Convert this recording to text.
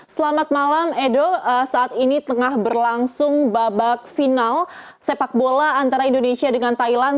selamat malam edo saat ini tengah berlangsung babak final sepak bola antara indonesia dengan thailand